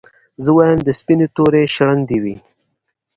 زه وايم د سپيني توري شړنګ دي وي